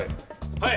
はい！